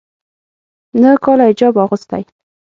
ا نهه کاله حجاب اغوستی